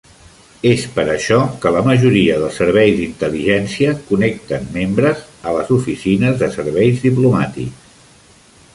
És per això que la majoria dels serveis d'intel·ligència connecten membres a les oficines de serveis diplomàtics.